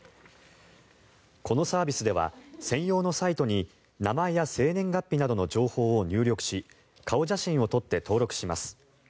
このサービスでは専用のサイトに名前や生年月日などの情報を入力し顔写真を撮って登録します。